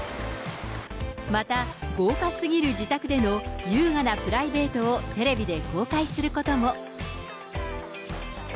また、豪華すぎる自宅での優雅なプライベートをテレビで公開することも。